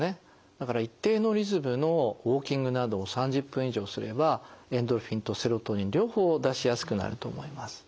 だから一定のリズムのウォーキングなどを３０分以上すればエンドルフィンとセロトニン両方出しやすくなると思います。